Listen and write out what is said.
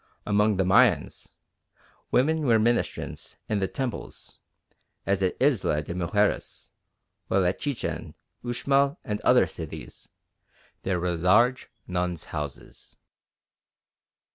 Among the Mayans, women were ministrants in the temples, as at Isla de Mujeres, while at Chichen, Uxmal and other cities, there were large nuns' houses.